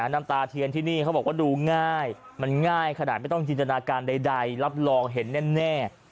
น้ำตาเทียนที่นี่เขาบอกว่าดูง่ายมันง่ายขนาดไม่ต้องจินตนาการใดรับรองเห็นแน่